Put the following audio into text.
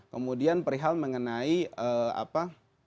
kemudian perihal mengenai apa